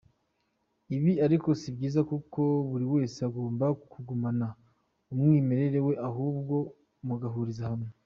Ibi ariko si byiza kuko buri wese agomba kugumana umwimerere we ahubwo mugahuriza hamwe.